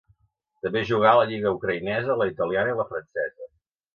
També jugà a la lliga ucraïnesa, la italiana i la francesa.